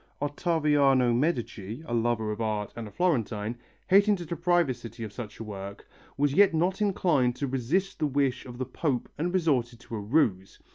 Ottaviano Medici, a lover of art and a Florentine, hating to deprive his city of such a work, was yet not inclined to resist the wish of the Pope and resorted to a ruse.